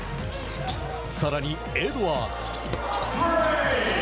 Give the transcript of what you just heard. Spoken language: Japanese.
さらにエドワーズ。